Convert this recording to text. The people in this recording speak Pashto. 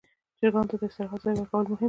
چرګانو ته د استراحت ځای ورکول مهم دي.